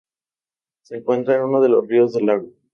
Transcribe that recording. Se encuentra en uno de los ríos del lago.